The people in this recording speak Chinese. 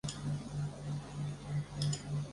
森林博比耶。